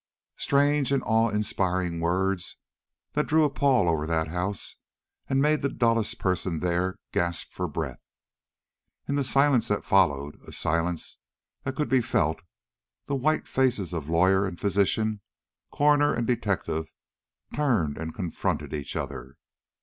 Strange and awe inspiring words, that drew a pall over that house and made the dullest person there gasp for breath. In the silence that followed a silence that could be felt the white faces of lawyer and physician, coroner and detective, turned and confronted each other.